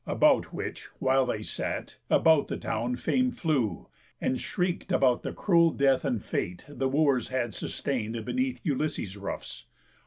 About which while they sat, about the town Fame flew, and shriek'd about the cruel death And fate the Wooers had sustain'd beneath Ulysses' roofs.